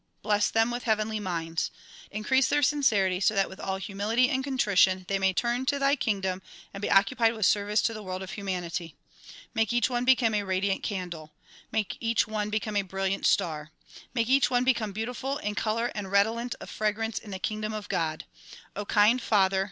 Bless them with heavenly minds. Increase their sincerity so that with all humility and contrition they may turn to thy kingdom and be occupied with service to the world of humanity. May each one become a radiant candle. May each one become a brilliant star. May each one become beautiful in color and redolent of fragrance in the kingdom of God. kind Father!